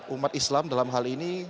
umat islam dalam hal ini